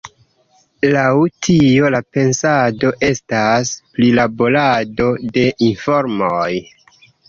Laŭ tio la pensado estas prilaborado de informoj.